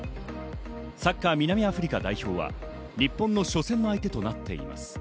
サッカー南アフリカ代表が日本の初戦の相手となっています。